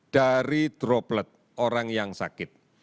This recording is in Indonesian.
dari droplet orang yang sakit